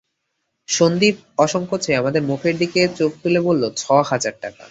সন্দীপ অসংকোচে আমাদের মুখের দিকে চোখ তুলে বললে, ছ হাজার টাকা।